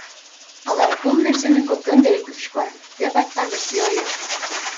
Алар бул нерсени көптөн бери күтүшкөн, — деп айткан Мирзиёев.